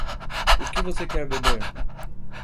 O que você quer beber?